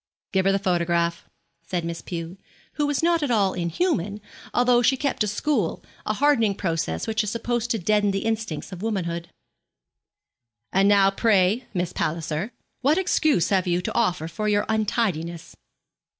'Give her the photograph,' said Miss Pew, who was not all inhuman, although she kept a school, a hardening process which is supposed to deaden the instincts of womanhood. 'And now, pray, Miss Palliser, what excuse have you to offer for your untidiness?'